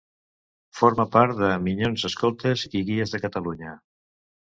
Forma part de Minyons Escoltes i Guies de Catalunya.